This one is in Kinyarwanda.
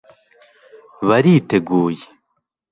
bariteguye